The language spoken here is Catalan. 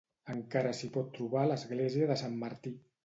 Encara s'hi pot trobar l'església de Sant Martí.